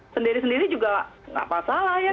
sendiri sendiri juga gak masalah ya kan